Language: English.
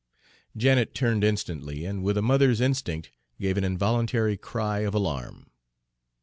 Janet turned instantly, and with a mother's instinct gave an involuntary cry of alarm.